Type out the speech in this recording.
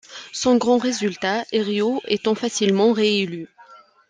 Sans grands résultats, Herriot étant facilement réélu.